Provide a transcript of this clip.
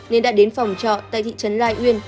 nên đã đến phòng trọ tại thị trấn lai uyên